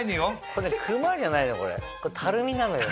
これねクマじゃないのよ